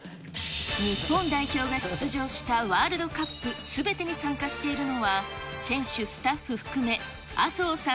日本代表が出場したワールドカップすべてに参加しているのは、選手、スタッフ含め、麻生さん